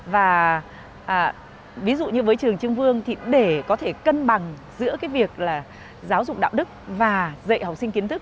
và ví dụ như với trường trưng vương thì để có thể cân bằng giữa cái việc là giáo dục đạo đức và dạy học sinh kiến thức